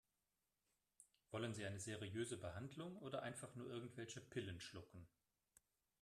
Wollen Sie eine seriöse Behandlung oder einfach nur irgendwelche Pillen schlucken?